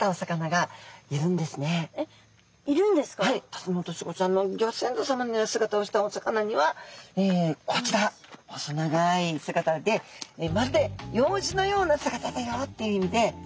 タツノオトシゴちゃんのギョ先祖さまのお姿をしたお魚にはこちら細長い姿でまるでヨウジのような姿だよっていう意味で。